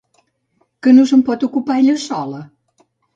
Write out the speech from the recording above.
Que no se'n pot ocupar ella sola?